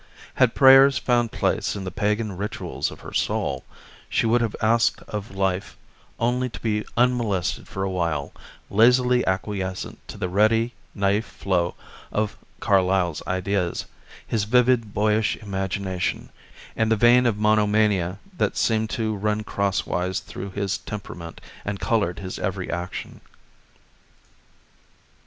Had prayers found place in the pagan rituals of her soul she would have asked of life only to be unmolested for a while, lazily acquiescent to the ready, naïf flow of Carlyle's ideas, his vivid boyish imagination, and the vein of monomania that seemed to run crosswise through his temperament and colored his every action.